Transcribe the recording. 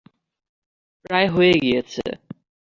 প্রায় হয়ে গিয়েছে।